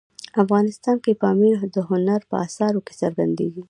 افغانستان کې پامیر د هنر په اثارو کې څرګندېږي.